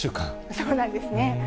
そうなんですね。